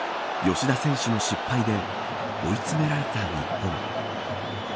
吉田選手の失敗で追い詰められた日本。